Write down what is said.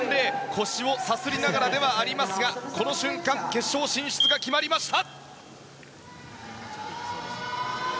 腰をさすりながらではありますがこの瞬間、決勝進出が決まりました。